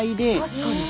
確かに。